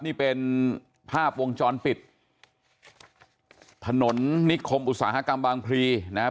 นี่เป็นภาพวงจรปิดถนนนิคมอุตสาหกรรมบางพลีนะครับ